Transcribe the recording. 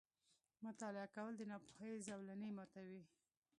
• مطالعه کول، د ناپوهۍ زولنې ماتوي.